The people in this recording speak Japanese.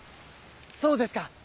そうですか。